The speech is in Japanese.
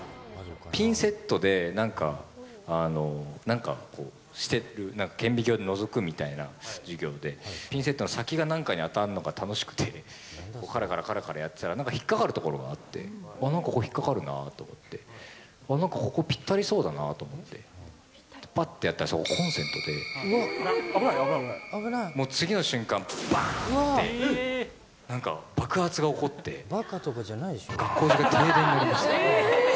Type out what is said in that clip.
ピンセットでなんか、なんかしてる、顕微鏡をのぞくみたいな授業で、ピンセットの先が何かに当たるのが楽しくて、からからやってたら、なんか引っ掛かるところがあって、あっ、なんかこれ引っ掛かるなと思って、なんかここぴったりそうだなと思って、ばっとやったら、そこ、コンセントで、もう次の瞬間、ばーんってなんか爆発が起こって、学校中が停電になりました。